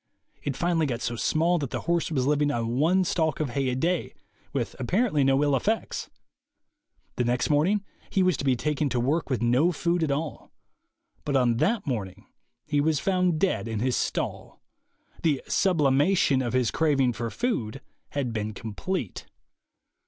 It finally got so small that the horse was living on one stalk of hay a day, with apparently no ill effects. The next morning he was to be taken to work with no food at all. But on that morning he was found dead in his stall. The "sublimation" of his craving for food had been complete.